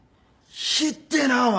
ひっでえなお前！